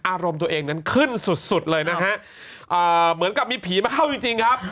อารมณ์ตัวเองนั้นขึ้นสุดเลยนะฮะเหมือนกับมีผีมาเข้าจริงครับ